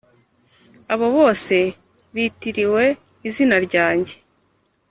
abo bose bitiriwe izina ryanjye,